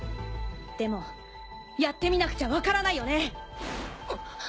でもやってみなくちゃわからないよね。